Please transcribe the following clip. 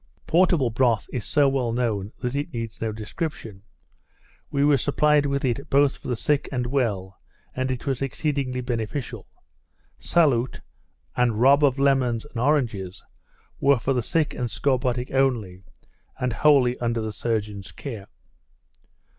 Portable broth is so well known, that it needs no description. We were supplied with it both for the sick and well, and it was exceedingly beneficial. Saloup and rob of lemons and oranges were for the sick and scorbutic only, and wholly under the surgeon's care.